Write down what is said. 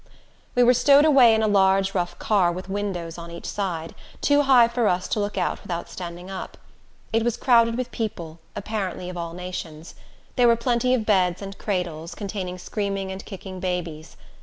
We were stowed away in a large, rough car, with windows on each side, too high for us to look out without standing up. It was crowded with people, apparently of all nations. There were plenty of beds and cradles, containing screaming and kicking babies.